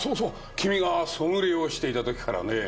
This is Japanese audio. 君がソムリエをしていた時からねぇ。